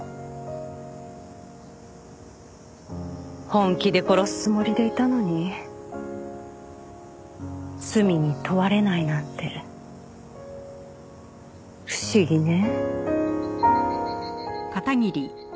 本気で殺すつもりでいたのに罪に問われないなんて不思議ね。